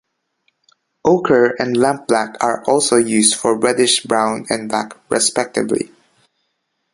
Ochre and lampblack are also used for reddish brown and black respectively.